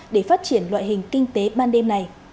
để phát triển loại hình kinh tế ban đêm này